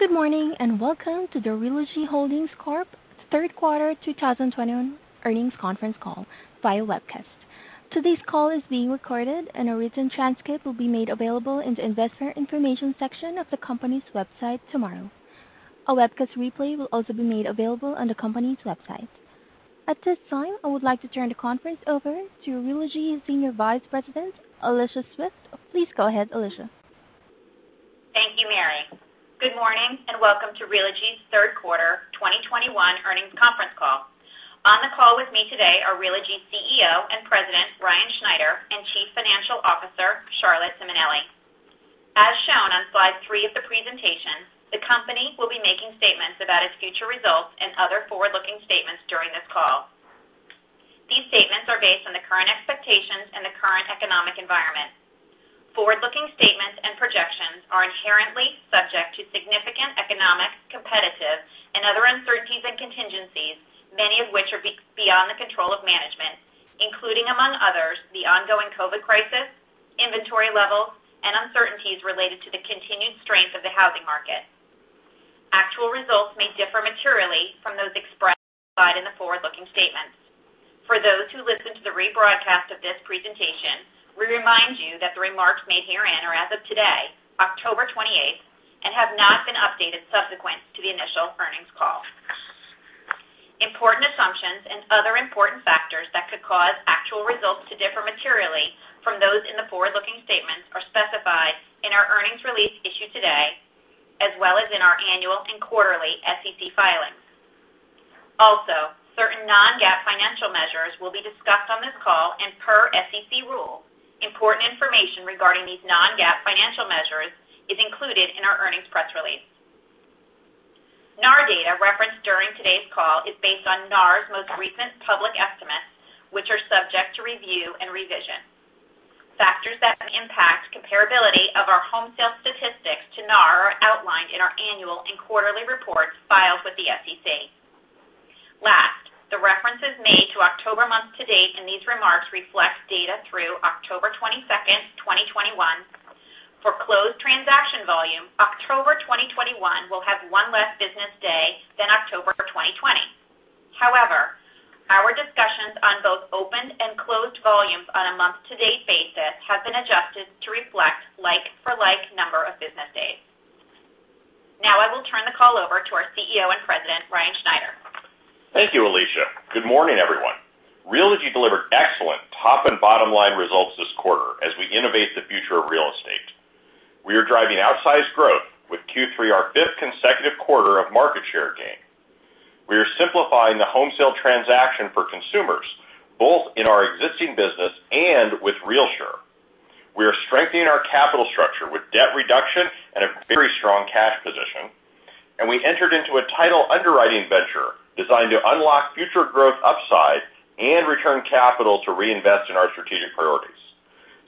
Good morning, and welcome to the Realogy Holdings Corp. third quarter 2021 earnings conference call via webcast. Today's call is being recorded, and a written transcript will be made available in the Investor Information section of the company's website tomorrow. A webcast replay will also be made available on the company's website. At this time, I would like to turn the conference over to Realogy Senior Vice President Alicia Swift. Please go ahead, Alicia. Thank you, Mary. Good morning, and welcome to Realogy's Q3 2021 earnings conference call. On the call with me today are Realogy CEO and President, Ryan Schneider, and Chief Financial Officer, Charlotte Simonelli. As shown on slide three of the presentation, the company will be making statements about its future results and other forward-looking statements during this call. These statements are based on the current expectations and the current economic environment. Forward-looking statements and projections are inherently subject to significant economic, competitive and other uncertainties and contingencies, many of which are beyond the control of management, including, among others, the ongoing COVID crisis, inventory levels, and uncertainties related to the continued strength of the housing market. Actual results may differ materially from those expressed in the forward-looking statements. For those who listen to the rebroadcast of this presentation, we remind you that the remarks made herein are as of today, October 28th, and have not been updated subsequent to the initial earnings call. Important assumptions and other important factors that could cause actual results to differ materially from those in the forward-looking statements are specified in our earnings release issued today, as well as in our annual and quarterly SEC filings. Also, certain non-GAAP financial measures will be discussed on this call, and per SEC rule, important information regarding these non-GAAP financial measures is included in our earnings press release. NAR data referenced during today's call is based on NAR's most recent public estimates, which are subject to review and revision. Factors that may impact comparability of our home sales statistics to NAR are outlined in our annual and quarterly reports filed with the SEC. Last, the references made to October month-to-date in these remarks reflect data through October 22nd, 2021. For closed transaction volume, October 2021 will have one less business day than October 2020. However, our discussions on both opened and closed volumes on a month-to-date basis have been adjusted to reflect like-for-like number of business days. Now I will turn the call over to our CEO and President, Ryan Schneider. Thank you, Alicia. Good morning, everyone. Realogy delivered excellent top and bottom-line results this quarter as we innovate the future of real estate. We are driving outsized growth with Q3, our fifth consecutive quarter of market share gain. We are simplifying the home sale transaction for consumers, both in our existing business and with RealSure. We are strengthening our capital structure with debt reduction and a very strong cash position, and we entered into a title underwriting venture designed to unlock future growth upside and return capital to reinvest in our strategic priorities.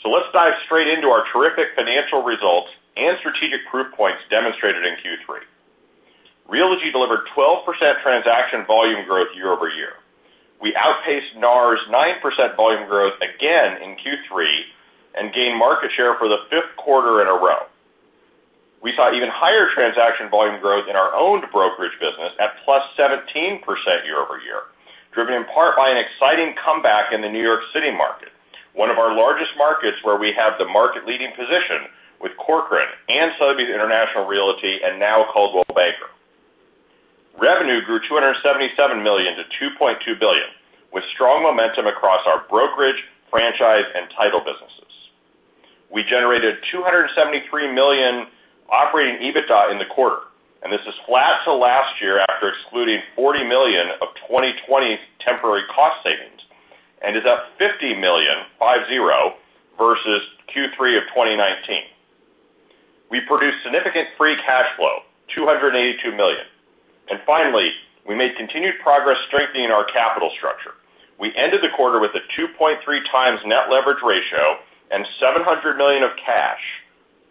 Let's dive straight into our terrific financial results and strategic proof points demonstrated in Q3. Realogy delivered 12% transaction volume growth year-over-year. We outpaced NAR's 9% volume growth again in Q3 and gained market share for the fifth quarter in a row. We saw even higher transaction volume growth in our owned brokerage business at +17% year-over-year, driven in part by an exciting comeback in the New York City market, one of our largest markets where we have the market-leading position with Corcoran and Sotheby's International Realty, and now Coldwell Banker. Revenue grew $277 million to $2.2 billion, with strong momentum across our brokerage, franchise, and title businesses. We generated $273 million operating EBITDA in the quarter, and this is flat to last year after excluding $40 million of 2020 temporary cost savings, and is up $50 million versus Q3 of 2019. We produced significant free cash flow, $282 million. Finally, we made continued progress strengthening our capital structure. We ended the quarter with a 2.3x net leverage ratio and $700 million of cash,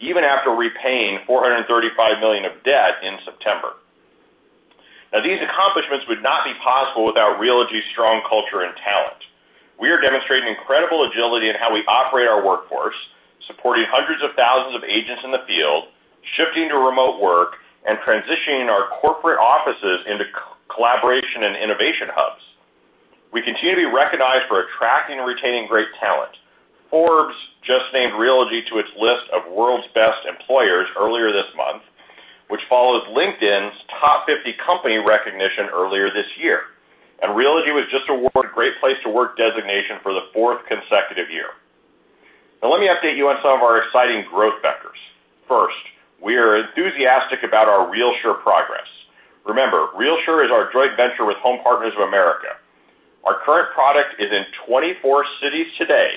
even after repaying $435 million of debt in September. Now, these accomplishments would not be possible without Realogy's strong culture and talent. We are demonstrating incredible agility in how we operate our workforce, supporting hundreds of thousands of agents in the field, shifting to remote work, and transitioning our corporate offices into collaboration and innovation hubs. We continue to be recognized for attracting and retaining great talent. Forbes just named Realogy to its list of World's Best Employers earlier this month, which follows LinkedIn's Top 50 Company recognition earlier this year. Realogy was just awarded Great Place to Work designation for the fourth consecutive year. Now let me update you on some of our exciting growth vectors. First, we are enthusiastic about our RealSure progress. Remember, RealSure is our joint venture with Home Partners of America. Our current product is in 24 cities today.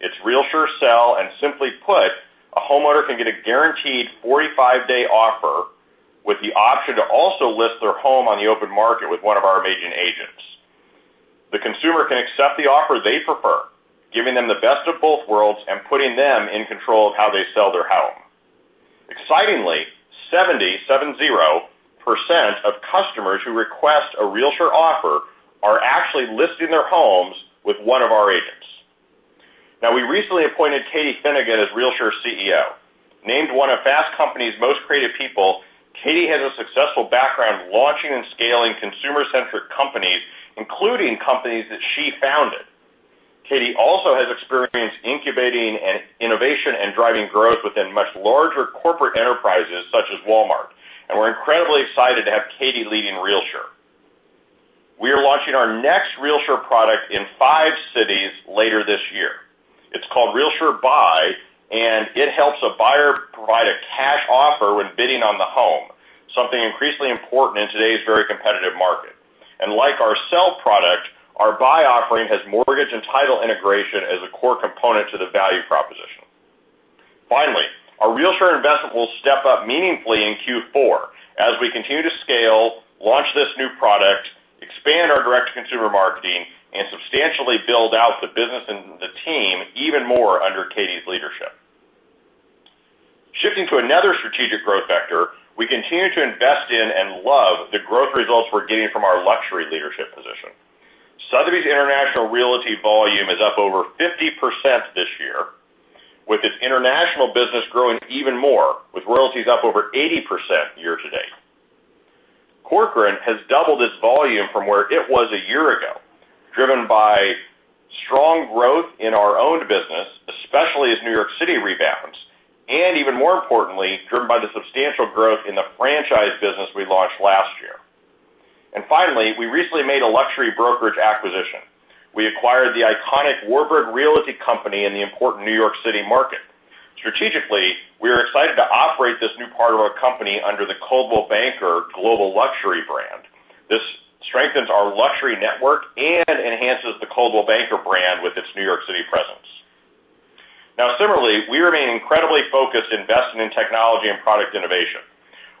It's RealSure Sell, and simply put, a homeowner can get a guaranteed 45-day offer with the option to also list their home on the open market with one of our agents. The consumer can accept the offer they prefer, giving them the best of both worlds and putting them in control of how they sell their home. Excitingly, 70% of customers who request a RealSure offer are actually listing their homes with one of our agents. Now, we recently appointed Katie Finnegan as RealSure CEO. Named one of Fast Company's Most Creative People, Katie has a successful background launching and scaling consumer-centric companies, including companies that she founded. Katie also has experience incubating innovation and driving growth within much larger corporate enterprises, such as Walmart, and we're incredibly excited to have Katie leading RealSure. We are launching our next RealSure product in five cities later this year. It's called RealSure Buy, and it helps a buyer provide a cash offer when bidding on the home, something increasingly important in today's very competitive market. Like our sell product, our buy offering has mortgage and title integration as a core component to the value proposition. Finally, our RealSure investment will step up meaningfully in Q4 as we continue to scale, launch this new product, expand our direct-to-consumer marketing, and substantially build out the business and the team even more under Katie's leadership. Shifting to another strategic growth vector, we continue to invest in and love the growth results we're getting from our luxury leadership position. Sotheby's International Realty volume is up over 50% this year, with its international business growing even more, with royalties up over 80% year-to-date. Corcoran has doubled its volume from where it was a year ago, driven by strong growth in our owned business, especially as New York City rebounds, and even more importantly, driven by the substantial growth in the franchise business we launched last year. Finally, we recently made a luxury brokerage acquisition. We acquired the iconic Warburg Realty company in the important New York City market. Strategically, we are excited to operate this new part of our company under the Coldwell Banker Global Luxury brand. This strengthens our luxury network and enhances the Coldwell Banker brand with its New York City presence. Now similarly, we remain incredibly focused investing in technology and product innovation.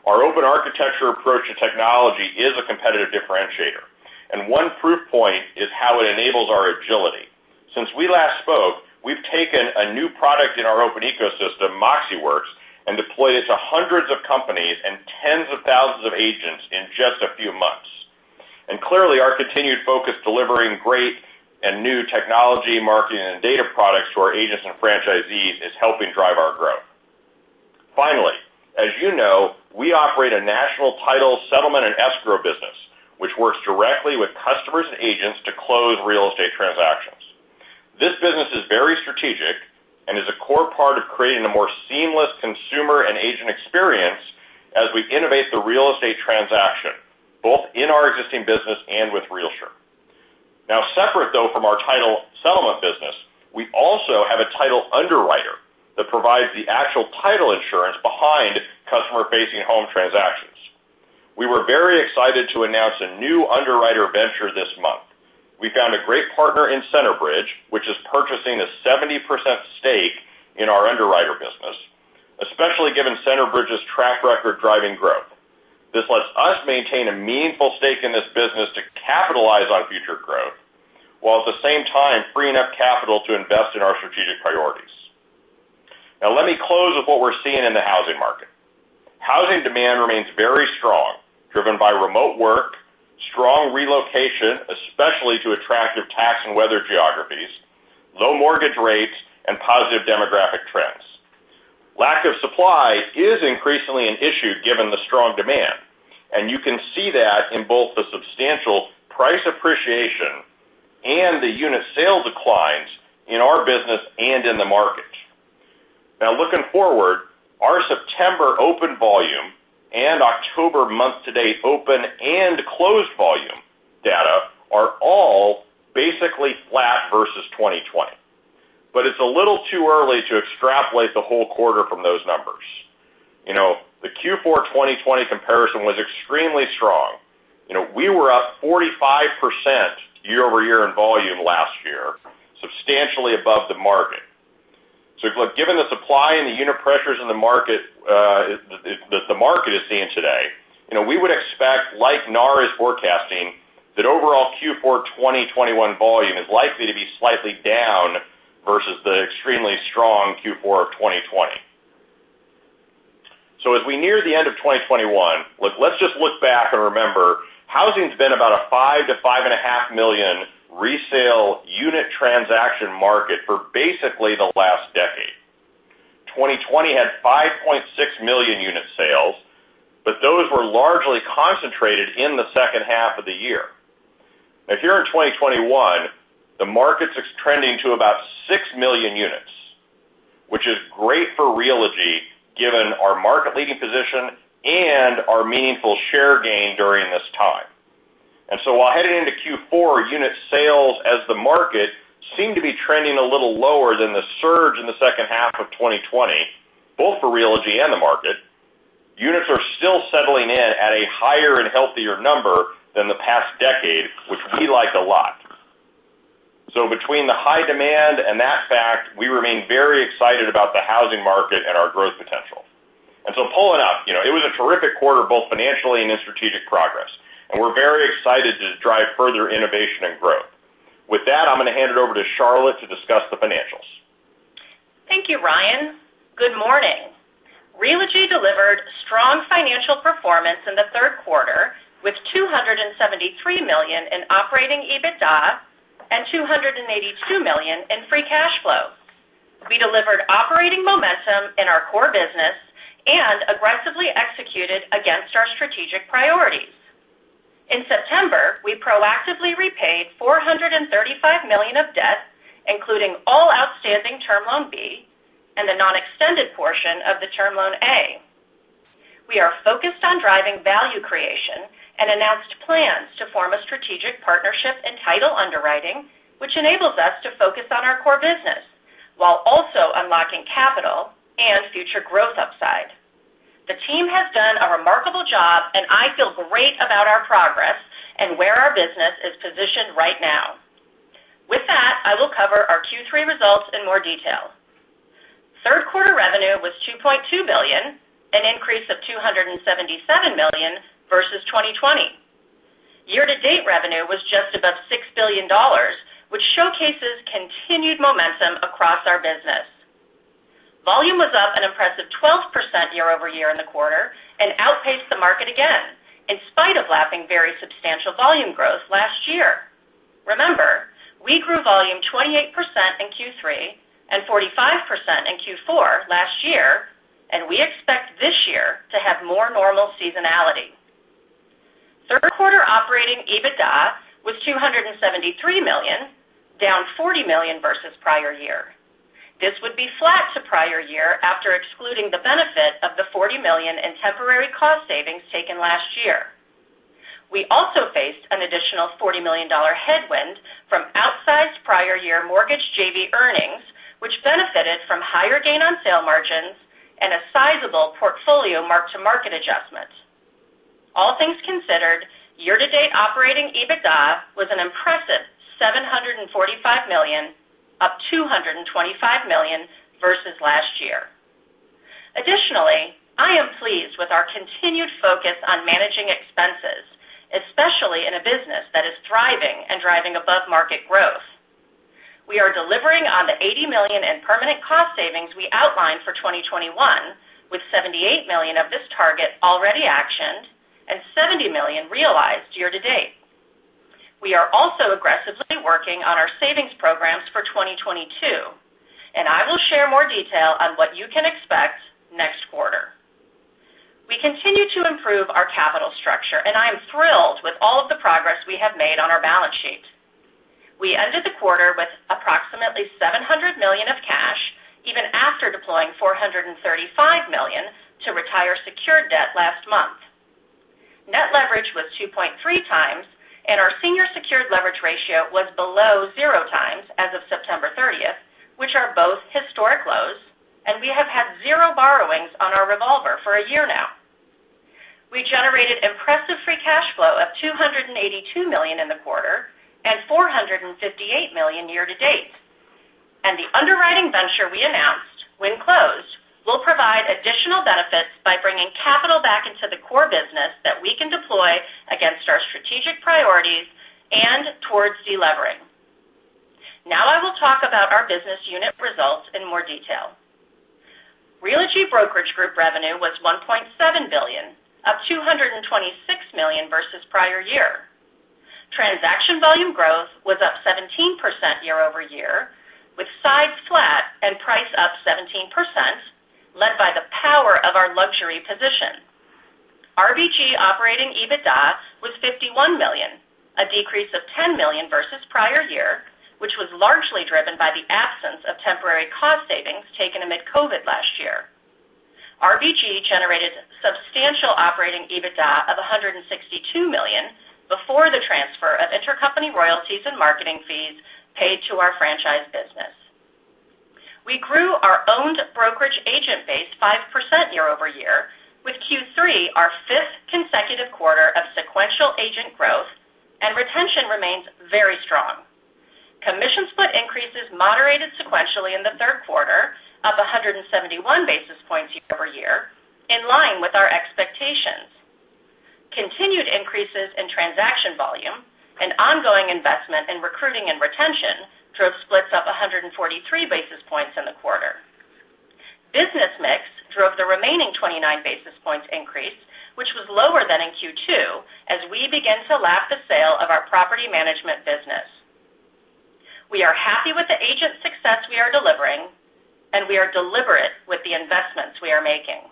Our open architecture approach to technology is a competitive differentiator, and one proof point is how it enables our agility. Since we last spoke, we've taken a new product in our open ecosystem, MoxiWorks, and deployed it to hundreds of companies and tens of thousands of agents in just a few months. Clearly, our continued focus delivering great and new technology, marketing, and data products to our agents and franchisees is helping drive our growth. Finally, as you know, we operate a national title, settlement, and escrow business, which works directly with customers and agents to close real estate transactions. This business is very strategic and is a core part of creating a more seamless consumer and agent experience as we innovate the real estate transaction, both in our existing business and with RealSure. Now, separate, though, from our title settlement business, we also have a title underwriter that provides the actual title insurance behind customer-facing home transactions. We were very excited to announce a new underwriter venture this month. We found a great partner in Centerbridge, which is purchasing a 70% stake in our underwriter business, especially given Centerbridge's track record driving growth. This lets us maintain a meaningful stake in this business to capitalize on future growth, while at the same time, freeing up capital to invest in our strategic priorities. Now, let me close with what we're seeing in the housing market. Housing demand remains very strong, driven by remote work, strong relocation, especially to attractive tax and weather geographies, low mortgage rates, and positive demographic trends. Lack of supply is increasingly an issue given the strong demand, and you can see that in both the substantial price appreciation and the unit sales declines in our business and in the market. Now, looking forward, our September open volume and October month-to-date open and closed volume data are all basically flat versus 2020. It's a little too early to extrapolate the whole quarter from those numbers. You know, the Q4 2020 comparison was extremely strong. You know, we were up 45% year-over-year in volume last year, substantially above the market. Look, given the supply and the unit pressures in the market that the market is seeing today, you know, we would expect, like NAR is forecasting, that overall Q4 2021 volume is likely to be slightly down versus the extremely strong Q4 of 2020. As we near the end of 2021, look, let's just look back and remember, housing's been about a 5 million-5.5 million resale unit transaction market for basically the last decade. 2020 had 5.6 million unit sales, but those were largely concentrated in the second half of the year. Now here in 2021, the market's trending to about 6 million units, which is great for Realogy, given our market-leading position and our meaningful share gain during this time. While heading into Q4, unit sales as the market seem to be trending a little lower than the surge in the second half of 2020, both for Realogy and the market, units are still settling in at a higher and healthier number than the past decade, which we like a lot. Between the high demand and that fact, we remain very excited about the housing market and our growth potential. Pulling up, you know, it was a terrific quarter, both financially and in strategic progress, and we're very excited to drive further innovation and growth. With that, I'm gonna hand it over to Charlotte to discuss the financials. Thank you, Ryan. Good morning. Realogy delivered strong financial performance in the third quarter with $273 million in operating EBITDA and $282 million in free cash flow. We delivered operating momentum in our core business and aggressively executed against our strategic priorities. In September, we proactively repaid $435 million of debt, including all outstanding Term Loan B and the non-extended portion of the Term Loan A. We are focused on driving value creation and announced plans to form a strategic partnership in title underwriting, which enables us to focus on our core business while also unlocking capital and future growth upside. The team has done a remarkable job, and I feel great about our progress and where our business is positioned right now. With that, I will cover our Q3 results in more detail. Q3 revenue was $2.2 billion, an increase of $277 million versus 2020. Year-to-date revenue was just above $6 billion, which showcases continued momentum across our business. Volume was up an impressive 12% year-over-year in the quarter and outpaced the market again, in spite of lapping very substantial volume growth last year. Remember, we grew volume 28% in Q3 and 45% in Q4 last year, and we expect this year to have more normal seasonality. Q3 operating EBITDA was $273 million, down $40 million versus prior year. This would be flat to prior year after excluding the benefit of the $40 million in temporary cost savings taken last year. We also faced an additional $40 million headwind from outsized prior year mortgage JV earnings, which benefited from higher gain on sale margins and a sizable portfolio mark-to-market adjustment. All things considered, year-to-date operating EBITDA was an impressive $745 million, up $225 million versus last year. Additionally, I am pleased with our continued focus on managing expenses, especially in a business that is thriving and driving above-market growth. We are delivering on the $80 million in permanent cost savings we outlined for 2021, with $78 million of this target already actioned and $70 million realized year to date. We are also aggressively working on our savings programs for 2022, and I will share more detail on what you can expect next quarter. We continue to improve our capital structure, and I am thrilled with all of the progress we have made on our balance sheet. We ended the quarter with approximately $700 million of cash, even after deploying $435 million to retire secured debt last month. Net leverage ratio was 2.3x, and our senior secured leverage ratio was below 0x as of September 30th, which are both historic lows, and we have had zero borrowings on our revolver for a year now. We generated impressive free cash flow of $282 million in the quarter and $458 million year to date. The underwriting venture we announced, when closed, will provide additional benefits by bringing capital back into the core business that we can deploy against our strategic priorities and towards delevering. Now I will talk about our business unit results in more detail. Realogy Brokerage Group revenue was $1.7 billion, up $226 million versus prior year. Transaction volume growth was up 17% year-over-year, with size flat and price up 17%, led by the power of our luxury position. RBG operating EBITDA was $51 million, a decrease of $10 million versus prior year, which was largely driven by the absence of temporary cost savings taken amid COVID last year. RBG generated substantial operating EBITDA of $162 million before the transfer of intercompany royalties and marketing fees paid to our franchise business. We grew our owned brokerage agent base 5% year-over-year, with Q3 our fifth consecutive quarter of sequential agent growth, and retention remains very strong. Commission split increases moderated sequentially in the third quarter of 171 basis points year-over-year, in line with our expectations. Continued increases in transaction volume and ongoing investment in recruiting and retention drove splits up 143 basis points in the quarter. Business mix drove the remaining 29 basis points increase, which was lower than in Q2 as we begin to lap the sale of our property management business. We are happy with the agent success we are delivering, and we are deliberate with the investments we are making.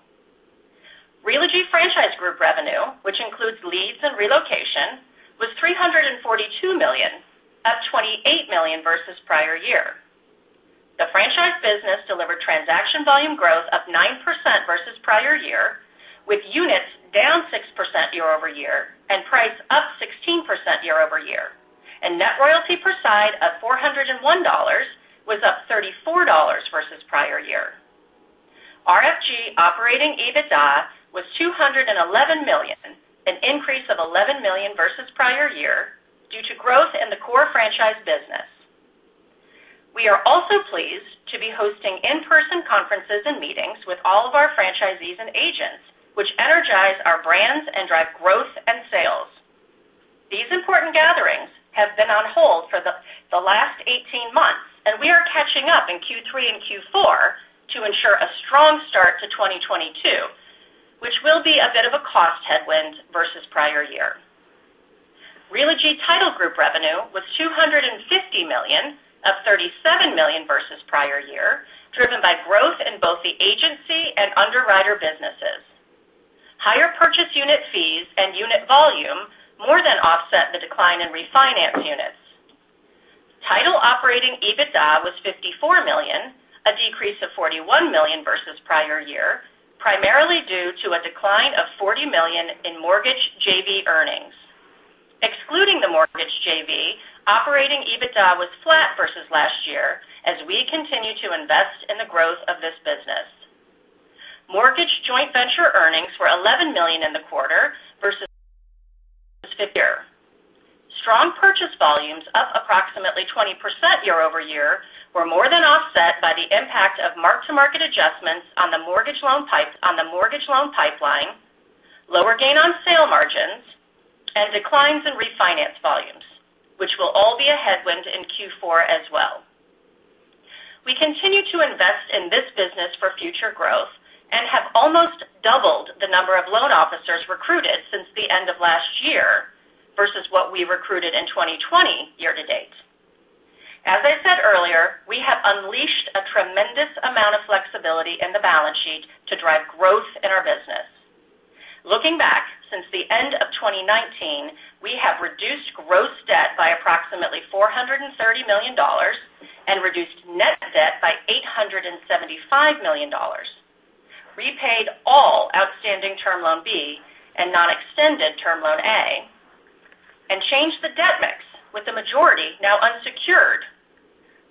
Realogy Franchise Group revenue, which includes leads and relocation, was $342 million, up $28 million versus prior year. The franchise business delivered transaction volume growth of 9% versus prior year, with units down 6% year-over-year and price up 16% year-over-year, and net royalty per side of $401 was up $34 versus prior year. RFG operating EBITDA was $211 million, an increase of $11 million versus prior year due to growth in the core franchise business. We are also pleased to be hosting in-person conferences and meetings with all of our franchisees and agents, which energize our brands and drive growth and sales. These important gatherings have been on hold for the last 18 months, and we are catching up in Q3 and Q4 to ensure a strong start to 2022, which will be a bit of a cost headwind versus prior year. Realogy Title Group revenue was $250 million, up $37 million versus prior year, driven by growth in both the agency and underwriter businesses. Higher purchase unit fees and unit volume more than offset the decline in refinance units. Title operating EBITDA was $54 million, a decrease of $41 million versus prior year, primarily due to a decline of $40 million in mortgage JV earnings. Excluding the mortgage JV, operating EBITDA was flat versus last year as we continue to invest in the growth of this business. Mortgage joint venture earnings were $11 million in the quarter versus year. Strong purchase volumes, up approximately 20% year-over-year, were more than offset by the impact of mark-to-market adjustments on the mortgage loan pipeline, lower gain on sale margins, and declines in refinance volumes, which will all be a headwind in Q4 as well. We continue to invest in this business for future growth and have almost doubled the number of loan officers recruited since the end of last year versus what we recruited in 2020 year to date. As I said earlier, we have unleashed a tremendous amount of flexibility in the balance sheet to drive growth in our business. Looking back, since the end of 2019, we have reduced gross debt by approximately $430 million and reduced net debt by $875 million, repaid all outstanding Term Loan B and non-extended Term Loan A, and changed the debt mix with the majority now unsecured.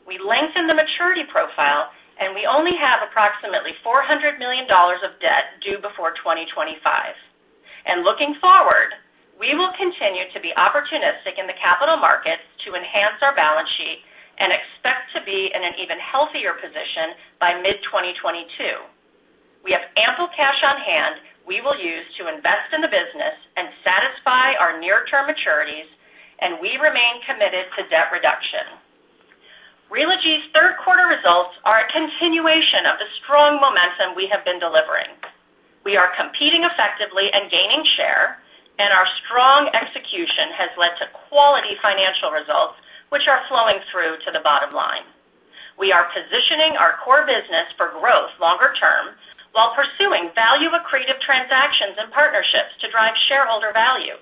We lengthened the maturity profile, and we only have approximately $400 million of debt due before 2025. Looking forward, we will continue to be opportunistic in the capital markets to enhance our balance sheet and expect to be in an even healthier position by mid-2022. We have ample cash on hand, we will use to invest in the business and satisfy our near-term maturities, and we remain committed to debt reduction. Realogy's third quarter results are a continuation of the strong momentum we have been delivering. We are competing effectively and gaining share, and our strong execution has led to quality financial results, which are flowing through to the bottom line. We are positioning our core business for growth longer term while pursuing value-accretive transactions and partnerships to drive shareholder value.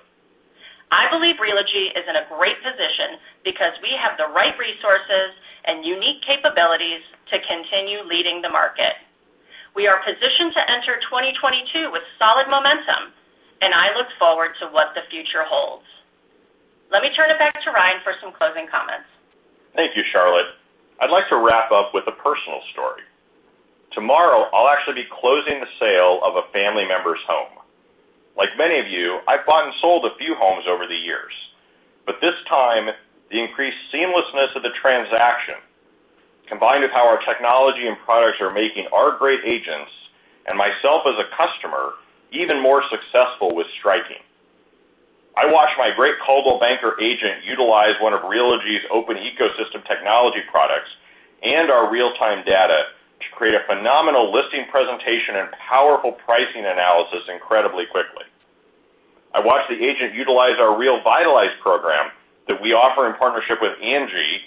I believe Realogy is in a great position because we have the right resources and unique capabilities to continue leading the market. We are positioned to enter 2022 with solid momentum, and I look forward to what the future holds. Let me turn it back to Ryan for some closing comments. Thank you, Charlotte. I'd like to wrap up with a personal story. Tomorrow, I'll actually be closing the sale of a family member's home. Like many of you, I've bought and sold a few homes over the years, but this time the increased seamlessness of the transaction, combined with how our technology and products are making our great agents and myself as a customer even more successful was striking. I watched my great Coldwell Banker agent utilize one of Realogy's open ecosystem technology products and our real-time data to create a phenomenal listing presentation and powerful pricing analysis incredibly quickly. I watched the agent utilize our RealVitalize program that we offer in partnership with Angi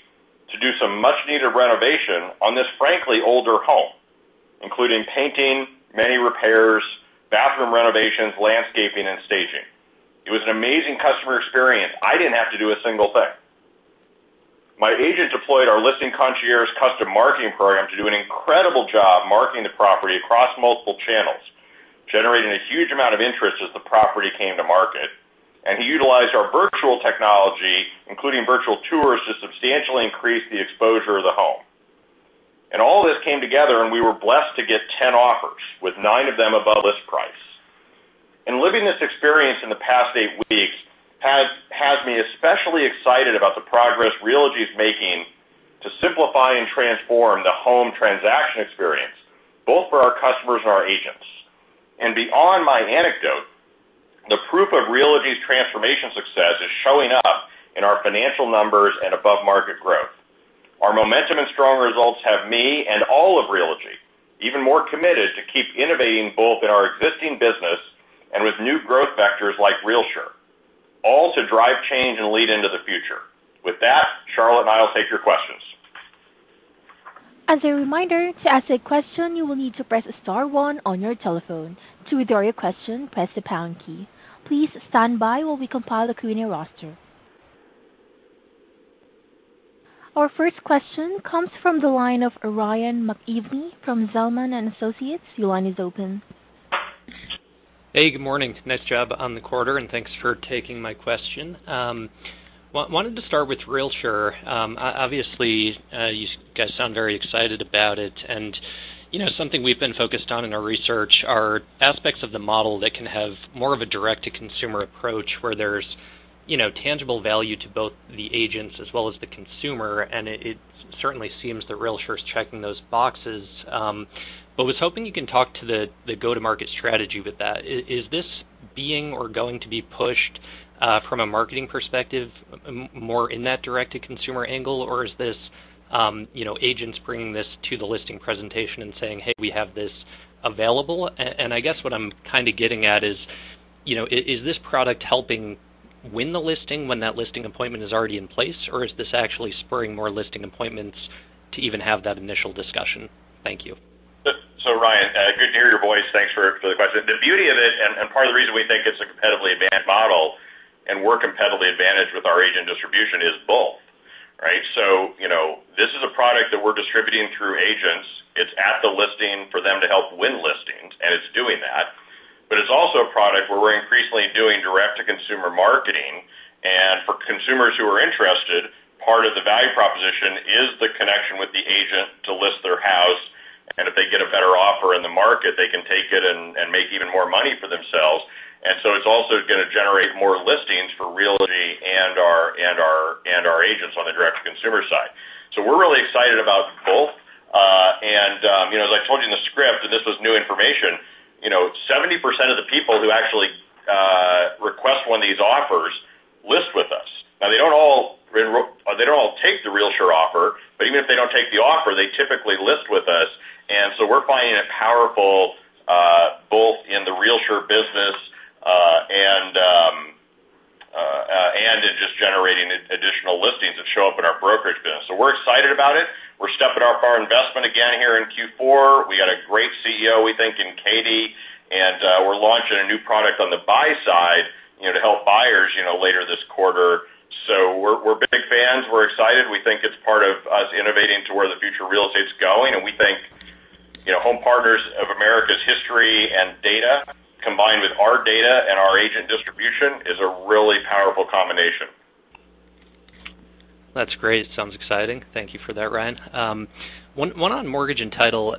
to do some much-needed renovation on this frankly older home, including painting, many repairs, bathroom renovations, landscaping and staging. It was an amazing customer experience. I didn't have to do a single thing. My agent deployed our Listing Concierge custom marketing program to do an incredible job marketing the property across multiple channels, generating a huge amount of interest as the property came to market. He utilized our virtual technology, including virtual tours, to substantially increase the exposure of the home. All this came together, and we were blessed to get 10 offers, with nine of them above list price. Living this experience in the past eight weeks has me especially excited about the progress Realogy is making to simplify and transform the home transaction experience, both for our customers and our agents. Beyond my anecdote, the proof of Realogy's transformation success is showing up in our financial numbers and above-market growth. Our momentum and strong results have me and all of Realogy even more committed to keep innovating both in our existing business and with new growth vectors like RealSure, all to drive change and lead into the future. With that, Charlotte and I will take your questions. As a reminder, to ask a question, you will need to press star one on your telephone. To withdraw your question, press the pound key. Please stand by while we compile a queuing roster. Our first question comes from the line of Ryan McKeveny from Zelman & Associates. Your line is open. Hey, good morning. Nice job on the quarter, and thanks for taking my question. Wanted to start with RealSure. Obviously, you guys sound very excited about it. You know, something we've been focused on in our research are aspects of the model that can have more of a direct-to-consumer approach where there's, you know, tangible value to both the agents as well as the consumer, and it certainly seems that RealSure's checking those boxes. Was hoping you can talk to the go-to-market strategy with that. Is this being or going to be pushed from a marketing perspective more in that direct-to-consumer angle? Or is this, you know, agents bringing this to the listing presentation and saying, "Hey, we have this available"? I guess what I'm kind of getting at is, you know, is this product helping Win the listing when that listing appointment is already in place, or is this actually spurring more listing appointments to even have that initial discussion? Thank you. Ryan, good to hear your voice. Thanks for the question. The beauty of it, and part of the reason we think it's a competitively advantaged model and we're competitively advantaged with our agent distribution is both, right? You know, this is a product that we're distributing through agents. It's at the listing for them to help win listings, and it's doing that. But it's also a product where we're increasingly doing direct-to-consumer marketing. For consumers who are interested, part of the value proposition is the connection with the agent to list their house. If they get a better offer in the market, they can take it and make even more money for themselves. It's also gonna generate more listings for Realogy and our agents on the direct-to-consumer side. We're really excited about both. You know, as I told you in the script, and this was new information, you know, 70% of the people who actually request one of these offers list with us. Now they don't all take the RealSure offer, but even if they don't take the offer, they typically list with us. We're finding it powerful, both in the RealSure business, and in just generating additional listings that show up in our brokerage business. We're excited about it. We're stepping up our investment again here in Q4. We got a great CEO, we think, in Katie, and we're launching a new product on the buy side, you know, to help buyers, you know, later this quarter. We're big fans. We're excited. We think it's part of us innovating to where the future of real estate's going. We think, you know, Home Partners of America's history and data, combined with our data and our agent distribution is a really powerful combination. That's great. Sounds exciting. Thank you for that, Ryan. One on mortgage and title.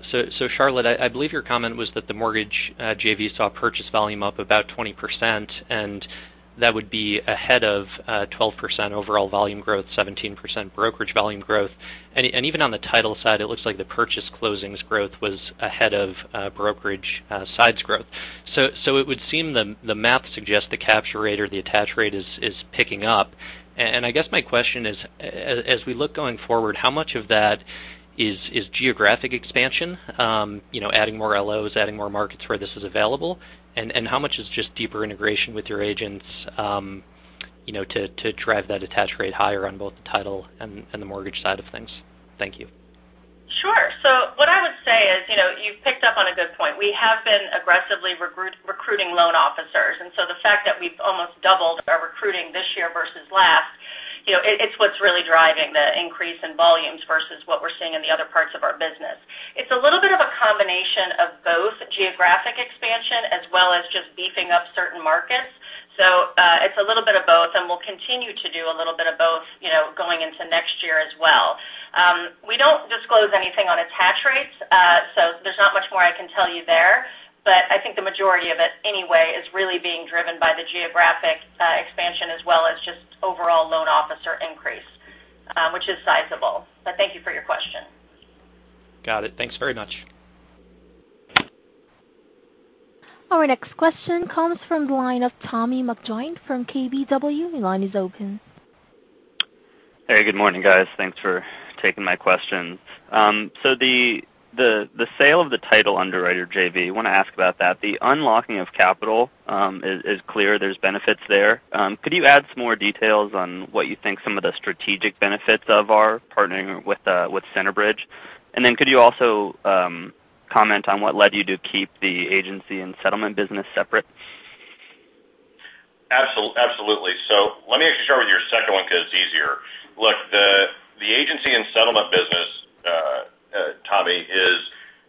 Charlotte, I believe your comment was that the mortgage JV saw purchase volume up about 20%, and that would be ahead of 12% overall volume growth, 17% brokerage volume growth. Even on the title side, it looks like the purchase closings growth was ahead of brokerage sides growth. It would seem the math suggests the capture rate or the attach rate is picking up. I guess my question is, as we look going forward, how much of that is geographic expansion, you know, adding more LOs, adding more markets where this is available, and how much is just deeper integration with your agents, you know, to drive that attach rate higher on both the title and the mortgage side of things? Thank you. Sure. What I would say is, you know, you've picked up on a good point. We have been aggressively recruiting loan officers, and the fact that we've almost doubled our recruiting this year versus last, you know, it's what's really driving the increase in volumes versus what we're seeing in the other parts of our business. It's a little bit of a combination of both geographic expansion as well as just beefing up certain markets. It's a little bit of both, and we'll continue to do a little bit of both, you know, going into next year as well. We don't disclose anything on attach rates, so there's not much more I can tell you there. I think the majority of it anyway is really being driven by the geographic expansion as well as just overall loan officer increase, which is sizable. Thank you for your question. Got it. Thanks very much. Our next question comes from the line of Tommy McJoynt from KBW. Your line is open. Hey, good morning, guys. Thanks for taking my questions. The sale of the title underwriter JV, wanna ask about that. The unlocking of capital is clear there's benefits there. Could you add some more details on what you think some of the strategic benefits of partnering with Centerbridge? Then could you also comment on what led you to keep the agency and settlement business separate? Absolutely. Let me actually start with your second one because it's easier. Look, the agency and settlement business, Tommy, is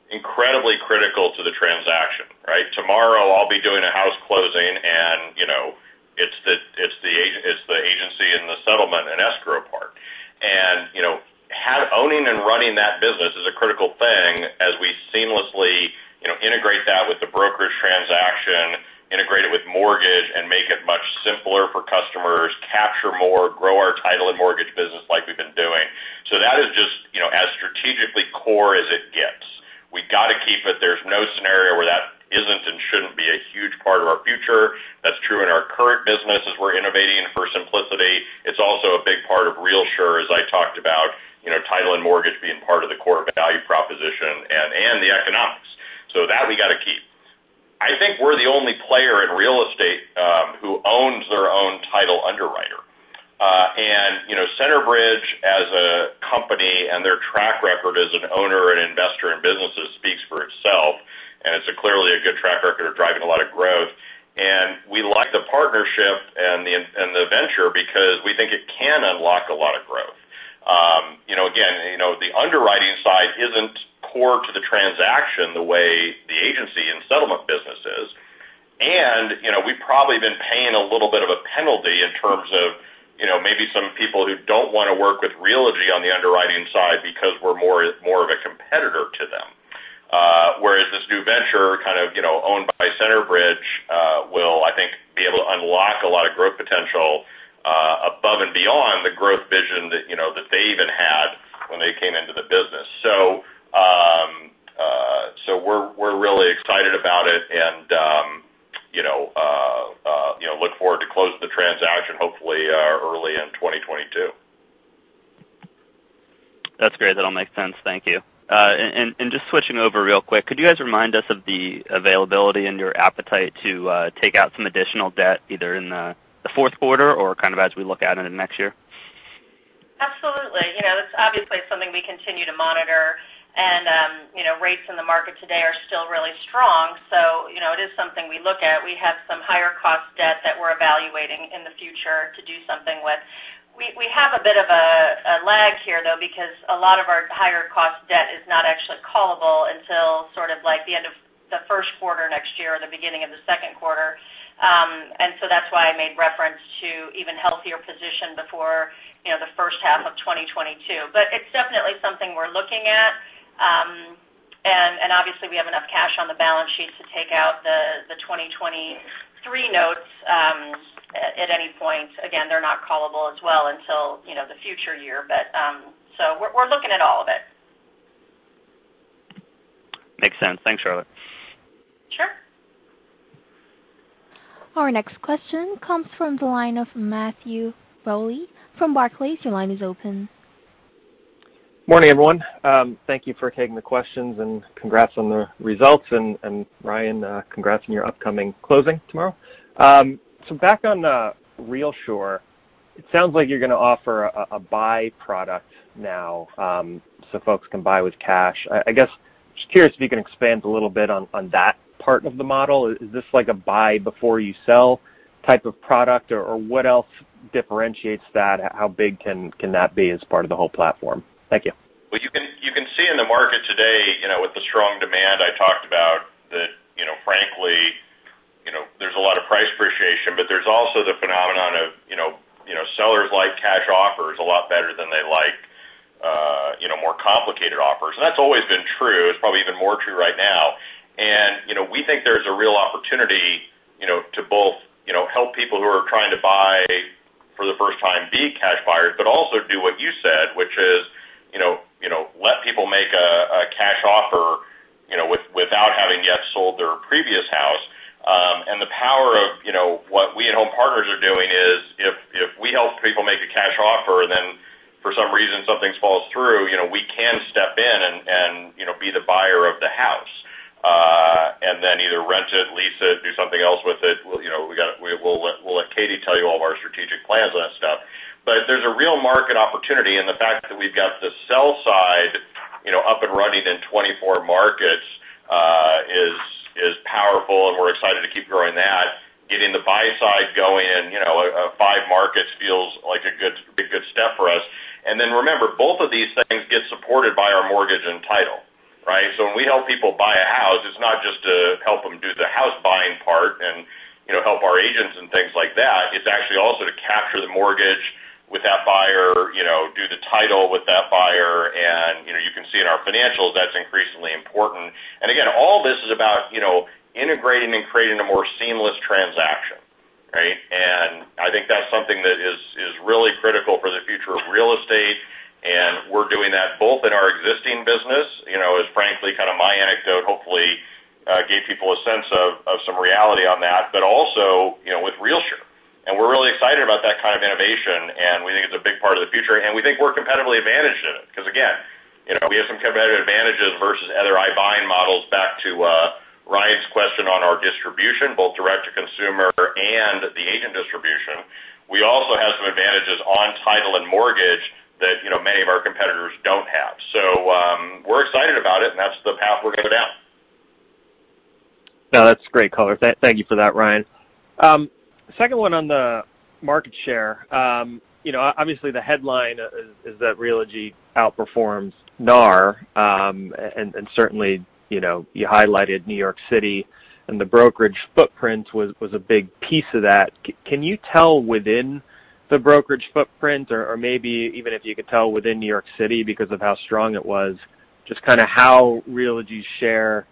incredibly critical to the transaction, right? Tomorrow, I'll be doing a house closing and it's the agency and the settlement and escrow part. Owning and running that business is a critical thing as we seamlessly integrate that with the brokerage transaction, integrate it with mortgage, and make it much simpler for customers, capture more, grow our title and mortgage business like we've been doing. That is just as strategically core as it gets. We gotta keep it. There's no scenario where that isn't and shouldn't be a huge part of our future. That's true in our current business as we're innovating for simplicity. It's also a big part of RealSure, as I talked about, you know, title and mortgage being part of the core value proposition and the economics. That we gotta keep. I think we're the only player in real estate who owns their own title underwriter. You know, Centerbridge as a company and their track record as an owner and investor in businesses speaks for itself, and it's clearly a good track record of driving a lot of growth. We like the partnership and the venture because we think it can unlock a lot of growth. You know, again, you know, the underwriting side isn't core to the transaction the way the agency and settlement business is. You know, we've probably been paying a little bit of a penalty in terms of, you know, maybe some people who don't wanna work with Realogy on the underwriting side because we're more of a competitor to them. Whereas this new venture kind of, you know, owned by Centerbridge will, I think, be able to unlock a lot of growth potential above and beyond the growth vision that they even had when they came into the business. So we're really excited about it and, you know, look forward to closing the transaction hopefully early in 2022. That's great. That all makes sense. Thank you. Just switching over real quick, could you guys remind us of the availability and your appetite to take out some additional debt, either in the fourth quarter or kind of as we look out into next year? Absolutely. You know, that's obviously something we continue to monitor. You know, rates in the market today are still really strong. You know, it is something we look at. We have some higher cost debt that we're evaluating in the future to do something with. We have a bit of a lag here, though, because a lot of our higher cost debt is not actually callable until sort of like the end of the first quarter next year or the beginning of the second quarter. That's why I made reference to even healthier position before, you know, the first half of 2022. It's definitely something we're looking at. Obviously we have enough cash on the balance sheet to take out the 2023 notes at any point. Again, they're not callable as well until, you know, the future year. We're looking at all of it. Makes sense. Thanks, Charlotte. Sure. Our next question comes from the line of Matthew Bouley from Barclays. Your line is open. Morning, everyone. Thank you for taking the questions, and congrats on the results. Ryan, congrats on your upcoming closing tomorrow. So back on RealSure, it sounds like you're gonna offer a buy product now, so folks can buy with cash. I guess, just curious if you can expand a little bit on that part of the model. Is this like a buy before you sell type of product, or what else differentiates that? How big can that be as part of the whole platform? Thank you. Well, you can see in the market today, you know, with the strong demand I talked about that, you know, frankly, you know, there's a lot of price appreciation, but there's also the phenomenon of, you know, sellers like cash offers a lot better than they like, you know, more complicated offers. That's always been true. It's probably even more true right now. We think there's a real opportunity, you know, to both, you know, help people who are trying to buy for the first time be cash buyers, but also do what you said, which is, you know, let people make a cash offer, you know, without having yet sold their previous house. The power of, you know, what we at Home Partners are doing is if we help people make a cash offer, then for some reason, something falls through, you know, we can step in and, you know, be the buyer of the house, and then either rent it, lease it, do something else with it. We'll let Katie tell you all of our strategic plans on that stuff. There's a real market opportunity, and the fact that we've got the sell side, you know, up and running in 24 markets, is powerful, and we're excited to keep growing that. Getting the buy side going in, you know, five markets feels like a good step for us. Then remember, both of these things get supported by our mortgage and title, right? When we help people buy a house, it's not just to help them do the house buying part and, you know, help our agents and things like that. It's actually also to capture the mortgage with that buyer, you know, do the title with that buyer. You know, you can see in our financials that's increasingly important. All this is about, you know, integrating and creating a more seamless transaction, right? I think that's something that is really critical for the future of real estate, and we're doing that both in our existing business, you know, as frankly kind of my anecdote, hopefully, gave people a sense of some reality on that, but also, you know, with RealSure. We're really excited about that kind of innovation, and we think it's a big part of the future, and we think we're competitively advantaged in it because, again, you know, we have some competitive advantages versus other i-buying models, back to Ryan's question on our distribution, both direct to consumer and the agent distribution. We also have some advantages on title and mortgage that, you know, many of our competitors don't have. We're excited about it and that's the path we're gonna go down. No, that's great color. Thank you for that, Ryan. Second one on the market share. You know, obviously the headline is that Realogy outperforms NAR, and certainly, you know, you highlighted New York City and the brokerage footprint was a big piece of that. Can you tell within the brokerage footprint or maybe even if you could tell within New York City because of how strong it was, just kinda how Realogy's share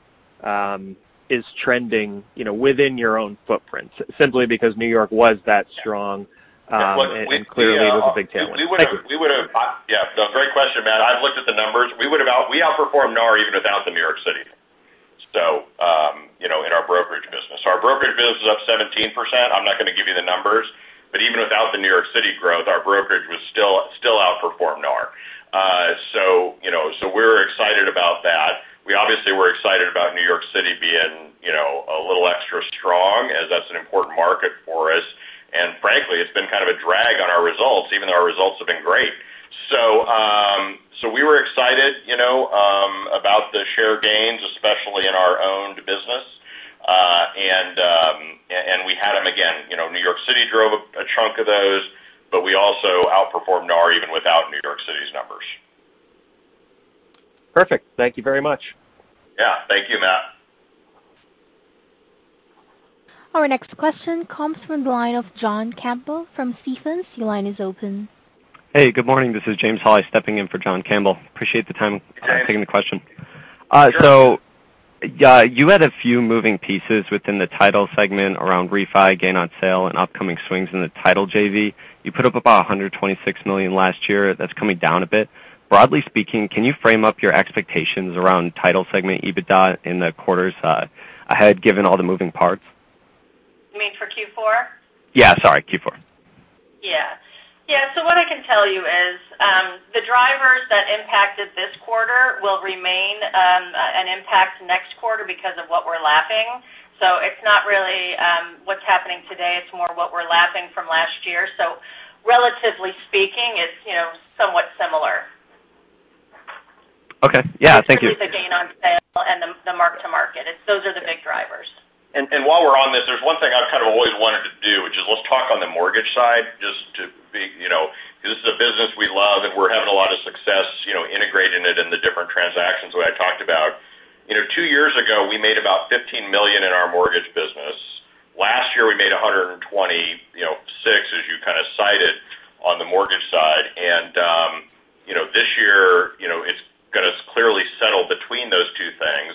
is trending, you know, within your own footprint, simply because New York was that strong, and clearly it was a big tailwind. Thank you. Yeah, no, great question, Matt. I've looked at the numbers. We outperformed NAR even without the New York City, so you know, in our brokerage business. Our brokerage business is up 17%. I'm not gonna give you the numbers, but even without the New York City growth, our brokerage was still outperformed NAR. So you know, we're excited about that. We obviously were excited about New York City being you know, a little extra strong, as that's an important market for us. Frankly, it's been kind of a drag on our results, even though our results have been great. We were excited you know, about the share gains, especially in our owned business. And we had them again. You know, New York City drove a chunk of those, but we also outperformed NAR even without New York City's numbers. Perfect. Thank you very much. Yeah. Thank you, Matt. Our next question comes from the line of John Campbell from Stephens. Your line is open. Hey, good morning. This is James Hawley stepping in for John Campbell. Appreciate the time. Hi taking the question. Sure. You had a few moving pieces within the title segment around refi, gain on sale, and upcoming swings in the title JV. You put up about $126 million last year. That's coming down a bit. Broadly speaking, can you frame up your expectations around title segment EBITDA in the quarters ahead, given all the moving parts? Q4? Yeah, sorry, Q4. Yeah, what I can tell you is, the drivers that impacted this quarter will remain an impact next quarter because of what we're lapping. It's not really what's happening today, it's more what we're lapping from last year. Relatively speaking, it's, you know, somewhat similar. Okay. Yeah. Thank you. It's usually the gain on sale and the mark to market. Those are the big drivers. While we're on this, there's one thing I've kind of always wanted to do, which is let's talk on the mortgage side, just to be, you know. This is a business we love, and we're having a lot of success, you know, integrating it in the different transactions that I talked about. You know, two years ago, we made about $15 million in our mortgage business. Last year, we made $126 million, you know, as you kind of cited on the mortgage side. You know, this year, you know, it's gonna clearly settle between those two things.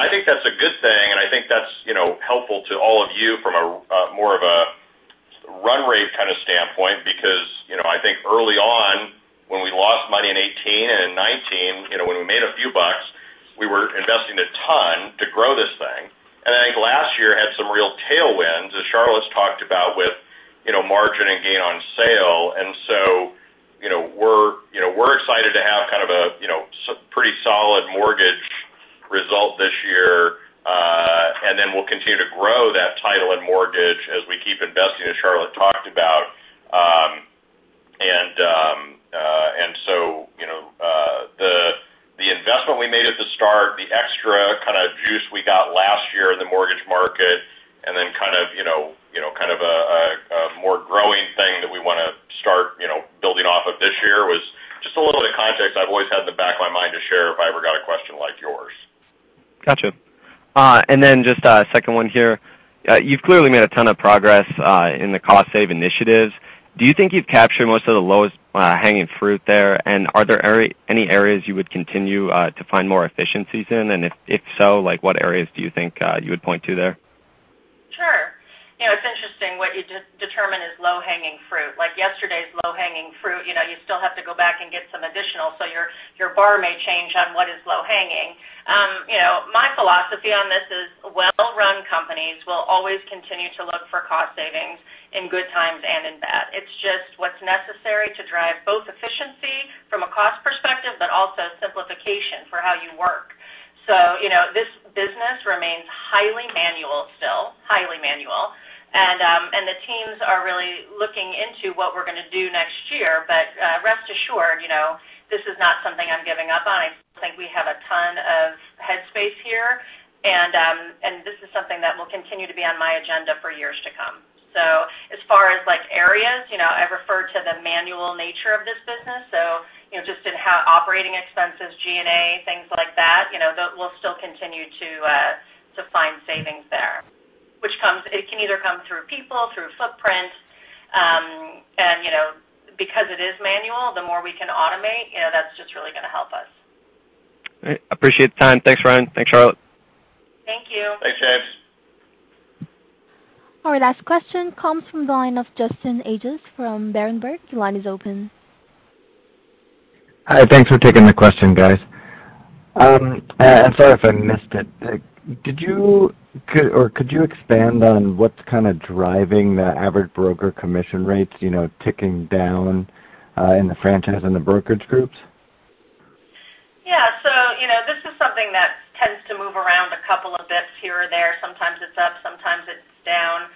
I think that's a good thing, and I think that's, you know, helpful to all of you from a more of a run rate kind of standpoint, because, you know, I think early on when we lost money in 2018 and in 2019, you know, when we made a few bucks, we were investing a ton to grow this thing. I think last year had some real tailwinds, as Charlotte's talked about with, you know, margin and gain on sale. You know, we're excited to have kind of a pretty solid mortgage result this year, and then we'll continue to grow that title and mortgage as we keep investing, as Charlotte talked about. You know, the investment we made at the start, the extra kind of juice we got last year in the mortgage market, and then kind of a more growing thing that we wanna start, you know, building off of this year was just a little bit of context I've always had in the back of my mind to share if I ever got a question like yours. Gotcha. Then just a second one here. You've clearly made a ton of progress in the cost savings initiatives. Do you think you've captured most of the low-hanging fruit there? Are there any areas you would continue to find more efficiencies in? If so, like, what areas do you think you would point to there? Sure. You know, it's interesting what you determine is low-hanging fruit. Like yesterday's low-hanging fruit, you know, you still have to go back and get some additional, so your bar may change on what is low-hanging. You know, my philosophy on this is well-run companies will always continue to look for cost savings in good times and in bad. It's just what's necessary to drive both efficiency from a cost perspective, but also simplification for how you work. You know, this business remains highly manual still, and the teams are really looking into what we're gonna do next year. Rest assured, you know, this is not something I'm giving up on. I think we have a ton of head space here, and this is something that will continue to be on my agenda for years to come. As far as, like, areas, you know, I refer to the manual nature of this business. You know, just in operating expenses, G&A, things like that, you know, we'll still continue to find savings there, which can either come through people, through footprint, and, you know, because it is manual, the more we can automate, you know, that's just really gonna help us. Great. Appreciate the time. Thanks, Ryan. Thanks, Charlotte. Thank you. Thanks, James. Our last question comes from the line of Justin Ages from Berenberg. Your line is open. Hi. Thanks for taking the question, guys. I'm sorry if I missed it. Could you expand on what's kind of driving the average broker commission rates, you know, ticking down in the franchise and the brokerage groups? Yeah. You know, this is something that tends to move around a couple of bits here or there. Sometimes it's up, sometimes it's down.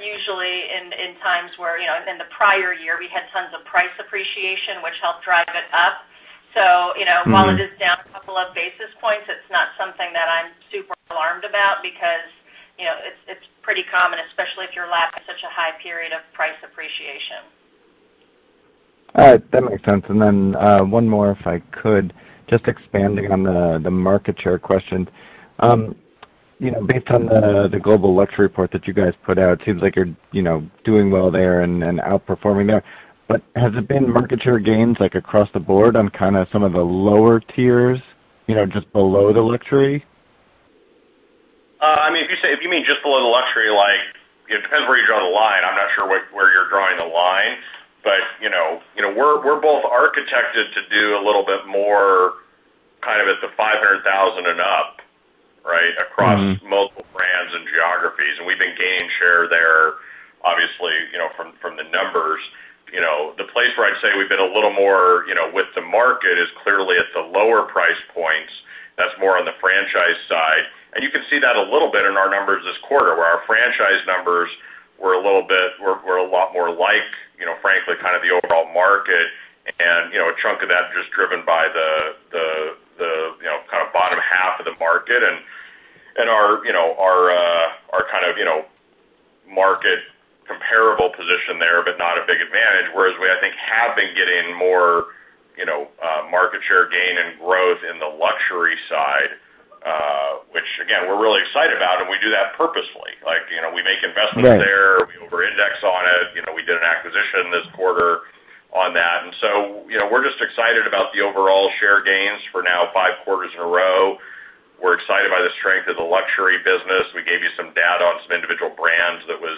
Usually in times where, you know, in the prior year, we had tons of price appreciation, which helped drive it up. You know- Mm-hmm. While it is down a couple of basis points, it's not something that I'm super alarmed about because, you know, it's pretty common, especially if you're lapping such a high period of price appreciation. All right. That makes sense. One more, if I could, just expanding on the market share question. You know, based on the global luxury report that you guys put out, seems like you're, you know, doing well there and outperforming there. Has it been market share gains, like, across the board on kind of some of the lower tiers, you know, just below the luxury? I mean, if you mean just below the luxury, like, it depends where you draw the line. I'm not sure where you're drawing the line. But you know, we're both architected to do a little bit more kind of at the $500,000 and up, right. Mm-hmm. Across multiple brands and geographies, we've been gaining share there, obviously, you know, from the numbers. You know, the place where I'd say we've been a little more, you know, with the market is clearly at the lower price points. That's more on the franchise side. You can see that a little bit in our numbers this quarter, where our franchise numbers were a lot more like, you know, frankly, kind of the overall market. You know, a chunk of that just driven by the, you know, kind of bottom half of the market. Our kind of, you know, market comparable position there, but not a big advantage, whereas we, I think, have been getting more, you know, market share gain and growth in the luxury side, which again, we're really excited about, and we do that purposefully. Like, you know, we make investments there. Right. We index on it. You know, we did an acquisition this quarter on that. You know, we're just excited about the overall share gains for now five quarters in a row. We're excited by the strength of the luxury business. We gave you some data on some individual brands that was,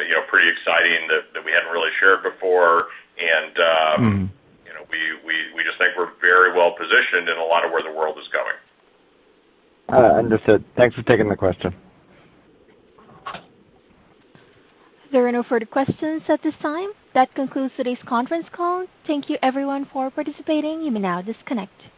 you know, pretty exciting that we hadn't really shared before. Mm-hmm. You know, we just think we're very well positioned in a lot of where the world is going. Understood. Thanks for taking the question. There are no further questions at this time. That concludes today's conference call. Thank you everyone for participating. You may now disconnect.